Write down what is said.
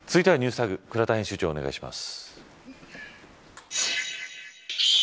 続いてはＮｅｗｓＴａｇ倉田編集長、お願いします。